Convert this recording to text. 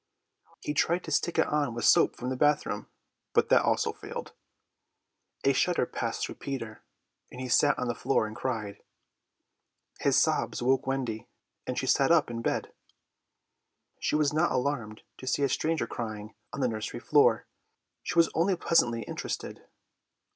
He tried to stick it on with soap from the bathroom, but that also failed. A shudder passed through Peter, and he sat on the floor and cried. His sobs woke Wendy, and she sat up in bed. She was not alarmed to see a stranger crying on the nursery floor; she was only pleasantly interested.